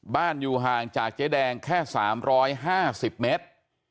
อยู่ห่างจากเจ๊แดงแค่๓๕๐เมตร